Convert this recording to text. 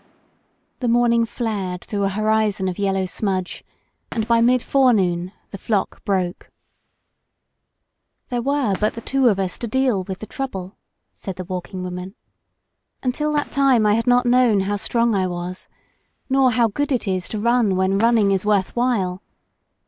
The morning flared through a horizon of yel low smudge, and by mid forenoon the flock broke. 'There were but the two of us to deal with 202 THE WALKING WOMAN the trouble/' said the Walking Woman. ''Until that time I had not known how strong I was, nor how good it is to run when nmning is worth while.